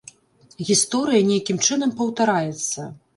Гісторыя нейкім чынам паўтараецца.